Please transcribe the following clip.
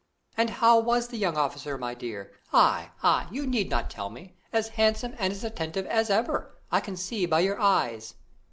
"And how was the young officer, my dear? Ay, ay, you need not tell me: as handsome and as attentive as ever, I can see by your eyes."